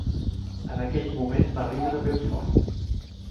En aquell moment, va riure ben fort.